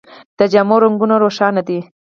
د جامو رنګونه روښانه دي.